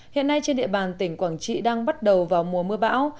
hiện nay trên địa bàn tỉnh quảng trị đang bắt đầu vào mùa mưa bão